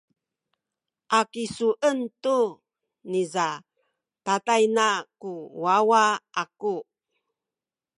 a kisuen tu niza tatayna ku wawa aku.